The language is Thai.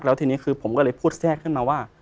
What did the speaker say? แล้วทีนี้คือผมก็เลยพูดแทรกขึ้นมาว่า